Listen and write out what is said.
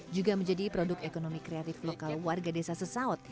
juga menjadi produk ekonomi kreatif lokal warga desa sesaut